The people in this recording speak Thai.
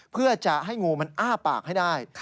เพื่อจะให้งูมันอ้าปากให้ได้